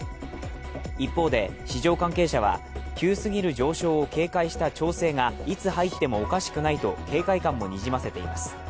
一方で、市場関係者は急すぎる上昇を警戒した調整がいつ入ってもおかしくないと警戒感もにじませています。